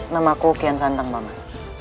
namaku kian santang paman